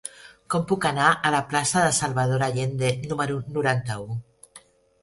Com puc anar a la plaça de Salvador Allende número noranta-u?